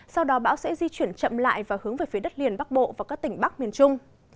sau đó bão sẽ di chuyển chậm lại và hướng về phía đất liền bắc bộ và các tỉnh bắc miền trung